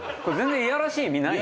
いやらしい意味ないの？